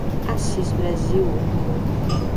Assis Brasil